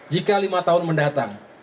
jika lima tahun mendatang